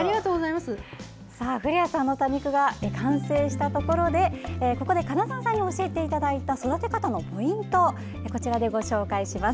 古谷さんの多肉が完成したところでここで金沢さんに教えていただいた育て方のポイントをこちらでご紹介します。